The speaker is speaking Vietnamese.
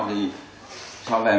thì sau về bố mẹ bảo